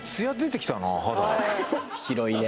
広いね